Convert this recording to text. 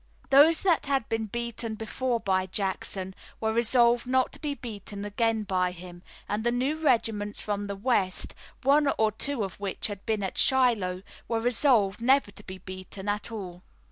Those that had been beaten before by Jackson were resolved not to be beaten again by him, and the new regiments from the west, one or two of which had been at Shiloh, were resolved never to be beaten at all.